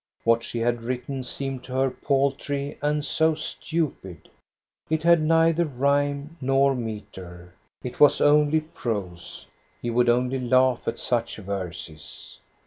What she had written seemed to her paltry and so stupid. It had neither rhyme nor metre. It was only prose. He would only laugh at such verses.